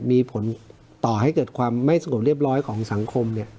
มีผลต่อให้เกิดความไม่สงบเรียบร้อยของสังคม